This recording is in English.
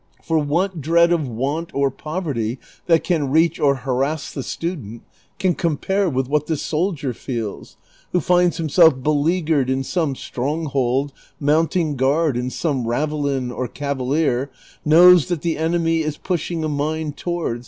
For what dread of want or poverty that can reach or harass the student can compare with what the soldier feels, who finds himself beleagnered in some stronghold monnting gnard in some ravelin or cavalier, knows that the enemy is pushing a mine towards